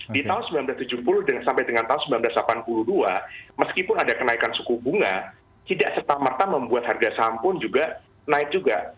di tahun seribu sembilan ratus tujuh puluh sampai dengan tahun seribu sembilan ratus delapan puluh dua meskipun ada kenaikan suku bunga tidak serta merta membuat harga saham pun juga naik juga